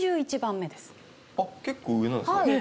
あっ結構上なんですね。